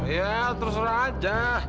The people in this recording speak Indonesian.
ya terus aja